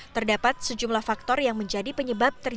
terdapat sejumlah faktor yang menjadi penyebab terjadinya